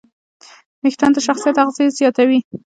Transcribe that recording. وېښتيان د شخصیت اغېز زیاتوي.